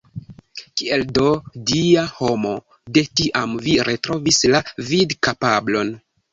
Kiel do, Dia homo, de tiam vi retrovis la vidkapablon?